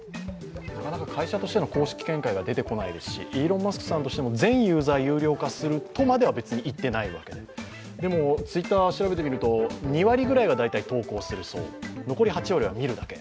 なかなか会社としての公式見解が出てこないですし、イーロン・マスクさんとしても全ユーザー有料化するとまでは言ってないわけででもＴｗｉｔｔｅｒを調べてみると２割ぐらいが大体投稿するそう残り８割は見るだけ。